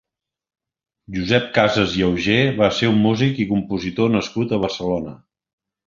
Josep Casas i Augé va ser un músic i compositor nascut a Barcelona.